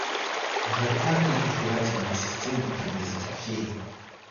Мажоритарная избирательная система тормозит афелий.